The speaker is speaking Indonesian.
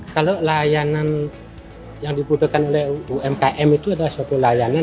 kalau layanan yang dibutuhkan oleh umkm itu adalah suatu layanan